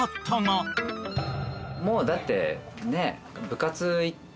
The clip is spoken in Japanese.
もうだってねえ。